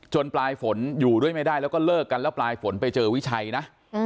ปลายฝนอยู่ด้วยไม่ได้แล้วก็เลิกกันแล้วปลายฝนไปเจอวิชัยนะ